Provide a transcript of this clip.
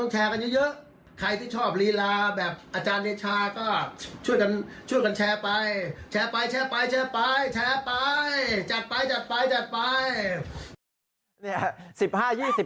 แชร์ไปแชร์ไป